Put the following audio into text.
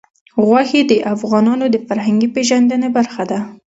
غوښې د افغانانو د فرهنګي پیژندنې برخه ده.